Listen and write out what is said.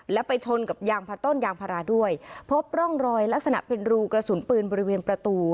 แล้วไปชนกับยางพาต้นยางพาราด้วยพบร่องรอยลักษณะเป็นรูกระสุนปืนบริเวณประตู